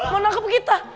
mau nangkep kita